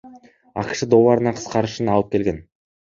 АКШ долларына кыскарышына алып келген.